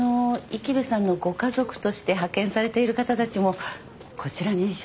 池部さんのご家族として派遣されている方たちもこちらに所属されてるんですよね？